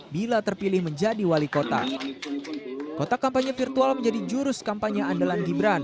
bila terpilih menjadi wali kota kota kampanye virtual menjadi jurus kampanye andalan gibran